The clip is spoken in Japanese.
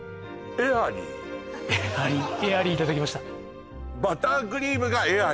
エアリーエアリーエアリーいただきました